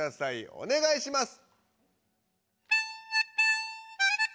おねがいします。